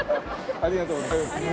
ありがとうございます。